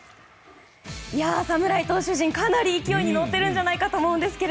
侍投手陣、かなり勢いに乗っているんじゃないかと思うんですが。